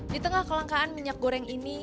di tengah kelangkaan minyak goreng ini